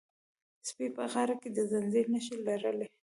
سپي په غاړه کې د زنځیر نښې لرلې.